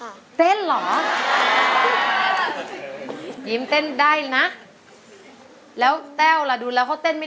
ใบเตยเลือกใช้ได้๓แผ่นป้ายตลอดทั้งการแข่งขัน